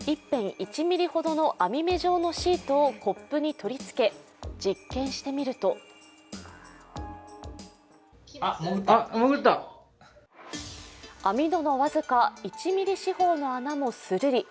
１．１ｍｍほどの網目状のシートをコップに取り付け実験してみると網戸の僅か１ミリ四方の穴もするり。